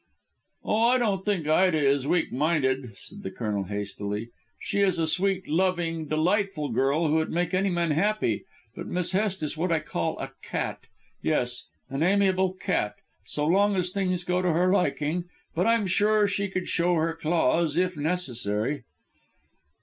"Oh, I don't think Ida is weak minded," said the Colonel hastily; "she is a sweet, loving, delightful girl, who would make any man happy. But Miss Hest is what I call a cat: yes, an amiable cat, so long as things go to her liking, but I'm sure she could show her claws if necessary."